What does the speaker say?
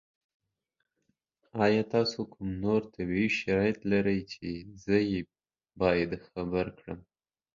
ایا تاسو کوم نور طبي شرایط لرئ چې زه یې باید خبر کړم؟